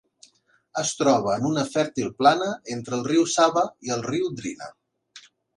Es troba en una fèrtil plana entre el riu Sava i el riu Drina.